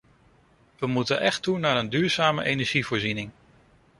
We moeten echt toe naar een duurzame energievoorziening.